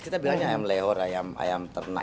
kita bilangnya ayam lehor ayam ayam ternak